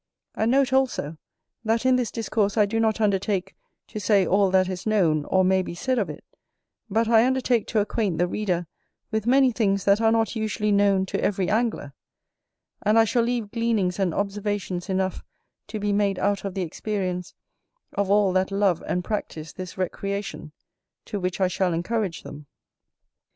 And note also, that in this Discourse I do not undertake to say all that is known, or may be said of it, but I undertake to acquaint the Reader with many things that are not usually known to every Angler; and I shall leave gleanings and observations enough to be made out of the experience of all that love and practice this recreation, to which I shall encourage them.